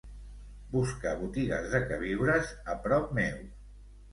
Busca botigues de queviures a prop meu.